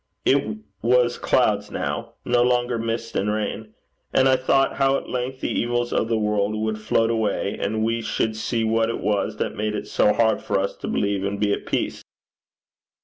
It was clouds now no longer mist and rain. And I thought how at length the evils of the world would float away, and we should see what it was that made it so hard for us to believe and be at peace.